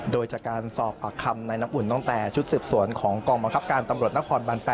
โดยจากการสอบปากคำในน้ำอุ่นตั้งแต่ชุดสืบสวนของกองบังคับการตำรวจนครบัน๘